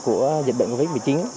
của dịch bệnh covid một mươi chín